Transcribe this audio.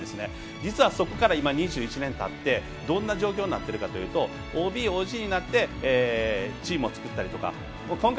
実はそこから、２１年たってどんな状況になってるかっていうとＯＢ、ＯＧになってチームを作ったりとか。